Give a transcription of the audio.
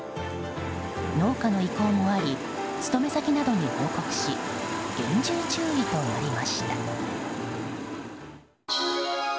農家の意向もあり勤め先などに報告し厳重注意となりました。